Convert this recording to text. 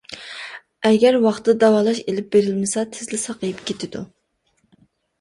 ئەگەر ۋاقتىدا داۋالاش ئېلىپ بېرىلمىسا تېزلا ساقىيىپ كېتىدۇ.